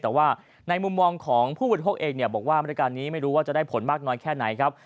แต่ว่าในมุมมองของผู้บริโภคเองบอกว่าบริการนี้ไม่รู้ว่าจะได้ผลมากน้อยแค่ไหนครับ